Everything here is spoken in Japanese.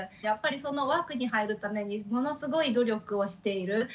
やっぱりその枠に入るためにものすごい努力をしている。